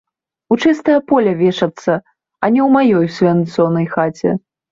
У чыстае поле вешацца, а не ў маёй свянцонай хаце.